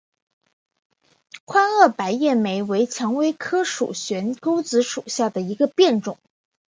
宽萼白叶莓为蔷薇科悬钩子属下的一个变种。